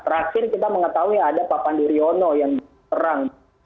terakhir kita mengetahui ada pak panduryono yang berperang